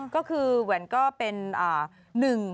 ก็คือแหวนก็เป็นหนึ่ง